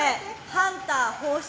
ハンター放出！